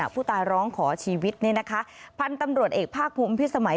ผู้ตายร้องขอชีวิตพันธุ์ตำรวจเอกภาคภูมิพิสมัย